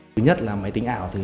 thứ nhất là máy tính ảo